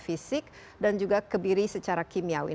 fisik dan juga kebiri secara kimiawi